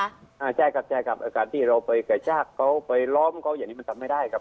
อ่าใช่ครับใช่ครับอาการที่เราไปกระชากเขาไปล้อมเขาอย่างนี้มันทำไม่ได้ครับ